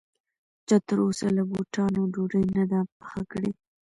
چا تر اوسه له بوټانو ډوډۍ نه ده پخه کړې